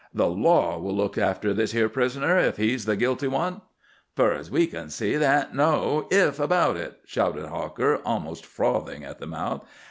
"The law will look after this here prisoner, if he's the guilty one." "Fur as we kin see, there ain't no 'if' about it," shouted Hawker, almost frothing at the mouth.